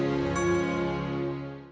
kita mengalahkan mereka semua